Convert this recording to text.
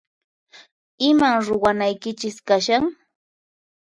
Iman ruwanaykichis kashan?